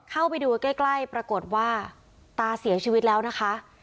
เข้าไปดูใกล้ปรากฏว่าตาเสียชีวิตแล้วนะคะ